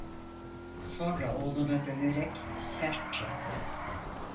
Sonra oğluna dönerek, sertçe: